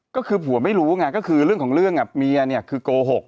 ก็คือผัวไม่รู้ไงก็คือเรื่องของเรื่องเมียเนี่ยคือโกหก